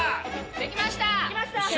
できました。